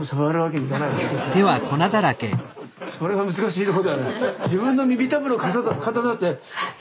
それは難しいとこだよね。